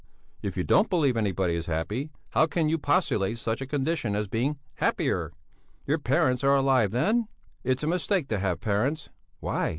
"If you don't believe anybody is happy, how can you postulate such a condition as being happier? Your parents are alive then? It's a mistake to have parents." "Why?